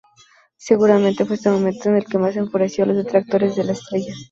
Seguramente fue este momento el que más enfureció a los detractores de la estrella.